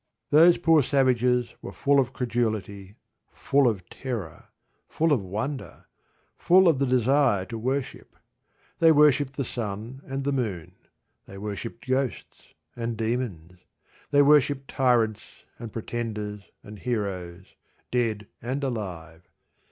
Those poor savages were full of credulity, full of terror, full of wonder, full of the desire to worship. They worshipped the sun and the moon; they worshipped ghosts and demons; they worshipped tyrants, and pretenders, and heroes, dead and alive.